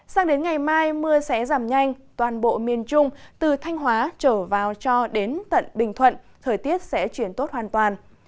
sang đến ngày mai mưa sẽ giảm nhanh toàn bộ miền trung từ thanh hóa trở vào cho đến tận bình thuận thời tiết sẽ chuyển tốt hoàn toàn